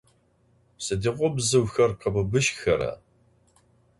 Sıdiğo bzıuxer khebıbıjxera?